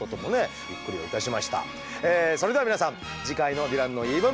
それでは皆さん次回の「ヴィランの言い分」